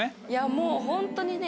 もうホントにね。